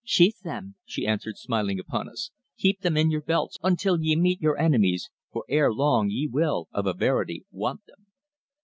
"Sheathe them," she answered smiling upon us. "Keep them in your belts until ye meet your enemies, for ere long ye will, of a verity, want them."